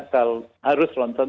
kalau harus ronsen